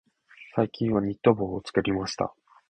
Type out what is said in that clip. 最近はニット帽を作りました。